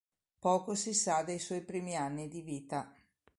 Poco si sa dei suoi primi anni di vita.